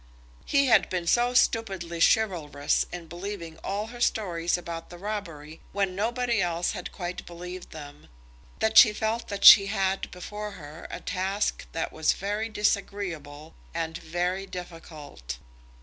He had been so stupidly chivalrous in believing all her stories about the robbery when nobody else had quite believed them, that she felt that she had before her a task that was very disagreeable and very difficult.